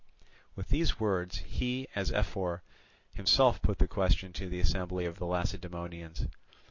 With these words he, as ephor, himself put the question to the assembly of the Lacedaemonians.